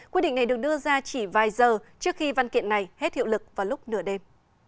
quyết định này được đưa ra chỉ vài giờ trước khi văn kiện này hết hiệu lực vào lúc nửa đêm